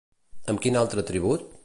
Amb quin altre atribut?